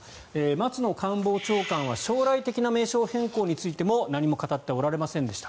松野官房長官は将来的な名称変更についても何も語っておられませんでした。